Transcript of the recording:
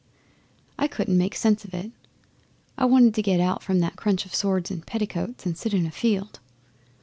I couldn't make sense of it. I wanted to get out from that crunch of swords and petticoats and sit in a field.